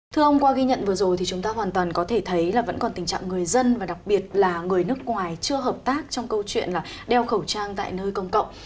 thưa ông qua ghi nhận vừa rồi thì chúng ta hoàn toàn có thể thấy là vẫn còn tình trạng người dân và đặc biệt là người nước ngoài chưa hợp tác trong câu chuyện là đeo khẩu trang tại nơi công cộng